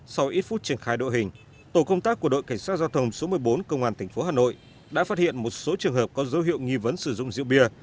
sau ít phút triển khai đội hình tổ công tác của đội cảnh sát giao thông số một mươi bốn công an tp hà nội đã phát hiện một số trường hợp có dấu hiệu nghi vấn sử dụng rượu bia